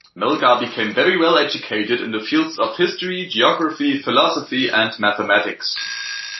Melgar became very well educated in the fields of history, geography, philosophy and mathematics.